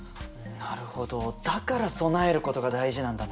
なるほどだから備えることが大事なんだね。